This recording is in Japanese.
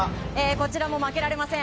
こちらも負けられません。